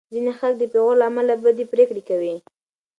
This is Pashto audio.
ځینې خلک د پېغور له امله بدې پرېکړې کوي.